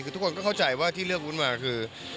คือทุกคนก็เข้าใจว่าที่เลือกวุ้นมาคือ